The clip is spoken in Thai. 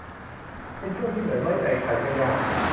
เป็นช่วงที่เหมือนไว้ใจใครก็ยาก